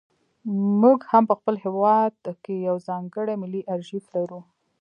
موږ هم په خپل هېواد کې یو ځانګړی ملي ارشیف لرو.